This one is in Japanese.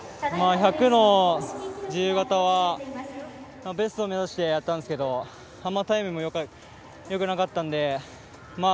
１００の自由形はベスト目指してやったんですけどあまりタイムもよくなかったので。